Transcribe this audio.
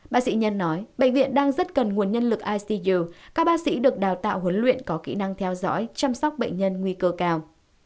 bác sĩ nhân nói bệnh viện đang rất cần nguồn nhân lực icu các bác sĩ được đào tạo huấn luyện có kỹ năng theo dõi chăm sóc bệnh nhân nguy cơ cao